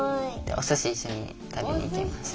おすし一緒に食べに行きました。